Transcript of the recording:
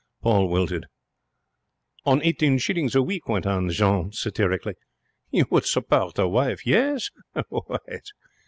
Paul wilted. 'On eighteen shillings a week,' went on Jeanne, satirically, 'you would support a wife, yes?